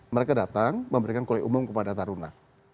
mereka datang memberikan kuliah umum kepada taruna